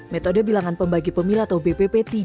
metode bilangan pembagi pemil atau bpp tidak kembali ditutup